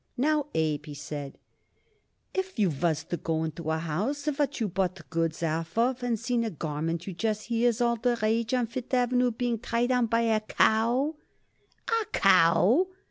"Now, Abe," he said, "if you was to go into a house what you bought goods off of and seen a garment you just hear is all the rage on Fifth Avenue being tried on by a cow " "A cow!"